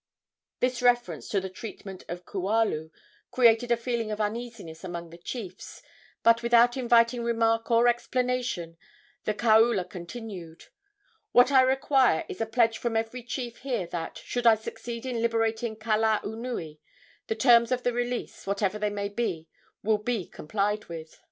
This reference to the treatment of Kualu created a feeling of uneasiness among the chiefs; but, without inviting remark or explanation, the kaula continued: "What I require is a pledge from every chief here that, should I succeed in liberating Kalaunui, the terms of the release, whatever they may be, will be complied with."